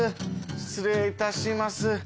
失礼いたします。